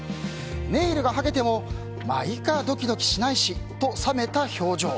ネイルが剥げてもまあいいか、ドキドキしないしと冷めた表情。